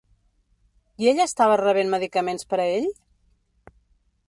I ella estava rebent medicaments per a ell?